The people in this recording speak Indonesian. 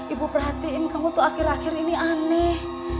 ibu perhatiin kamu tuh akhir akhir ini aneh